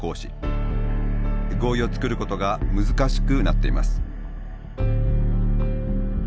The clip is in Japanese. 合意を作ることが難しくなっています。